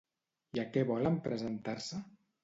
I a què volen presentar-se?